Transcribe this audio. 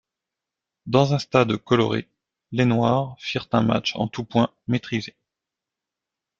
Dans un stade coloré, les Noirs firent un match en tout point maîtrisé.